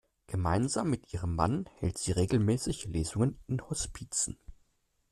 Gemeinsam mit ihrem Mann hält sie regelmäßig Lesungen in Hospizen.